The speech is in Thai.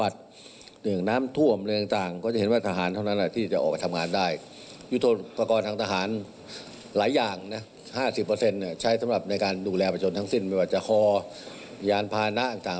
ใช้สำหรับในการดูแลประจนทั้งสิ้นไม่ว่าจะคอยานพานะต่าง